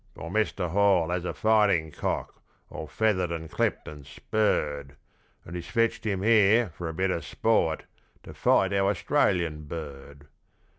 For Mister Hall has a fighting cock, all feathered and clipped and spurred; And he's fetched him here, for a bit of sport, to fight our Australian bird.